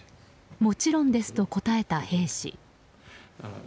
もちろんですと答えた兵士。